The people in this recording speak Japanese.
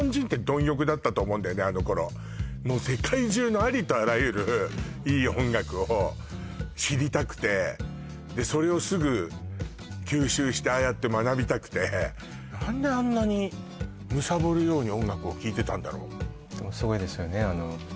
あの頃もう世界中のありとあらゆるいい音楽を知りたくてでそれをすぐ吸収してああやって学びたくて何であんなにむさぼるように音楽を聴いてたんだろうでもすごいですよね